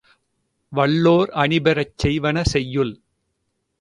வல்லோர் அணிபெறச் செய்வன செய்யுள்